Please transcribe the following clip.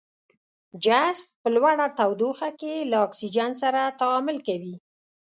جست په لوړه تودوخه کې له اکسیجن سره تعامل کوي.